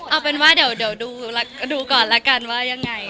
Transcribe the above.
เอาเป็นว่าเดี๋ยวดูก่อนแล้วกันว่ายังไง